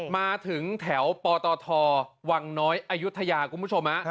มาถึงแถวปตทวังน้อยอายุทยาคุณผู้ชม